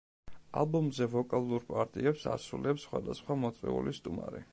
ალბომზე ვოკალურ პარტიებს ასრულებს სხვადასხვა მოწვეული სტუმარი.